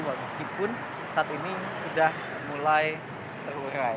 walaupun saat ini sudah mulai terurai